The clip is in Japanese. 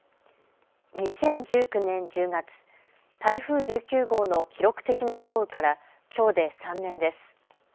２０１９年１０月、台風１９号の記録的な豪雨からきょうで３年です。